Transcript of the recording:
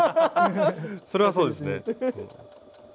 それはそうですね。